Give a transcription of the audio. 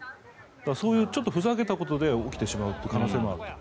そういうちょっとふざけたことで起きてしまう可能性もある。